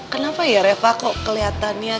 kenapa ya reva kok kelihatannya